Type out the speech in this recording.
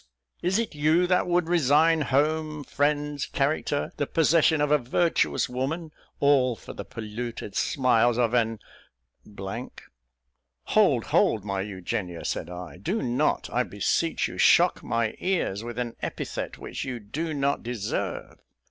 is it you that would resign home, friends, character, the possession of a virtuous woman, all, for the polluted smiles of an " "Hold! hold! my Eugenia," said I; "do not, I beseech you, shock my ears with an epithet which you do not deserve!